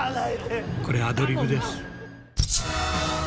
これアドリブです。